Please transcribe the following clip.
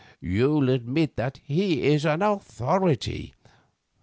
You'll admit that he is an authority.